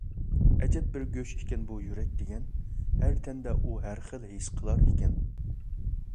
ئەجەب بىر گۆش ئىكەن بۇ يۈرەك دېگەن، ھەر تەندە ئۇ ھەرخىل ھېس قىلار ئىكەن.